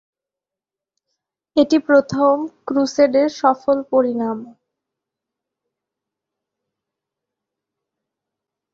এটি প্রথম ক্রুসেডের সফল পরিণাম।